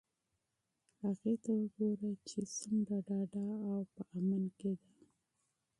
هغې ته وگوره چې څومره ډاډه او په امن کې ده.